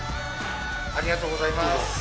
ありがとうございます。